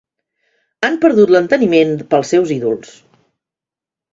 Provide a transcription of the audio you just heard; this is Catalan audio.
Han perdut l'enteniment pels seus ídols.